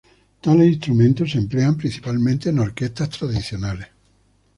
Tales instrumentos se emplean principalmente en orquestas tradicionales.